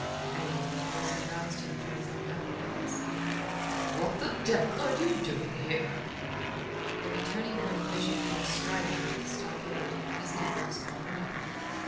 An angry voice aroused him from his unhappy thoughts. "What the devil are you doing here?" The returning Colonel Bishop came striding into the stockade, his negroes following ever.